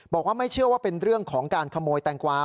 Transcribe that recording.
บอกว่าไม่เชื่อว่าเป็นเรื่องของการขโมยแตงกวา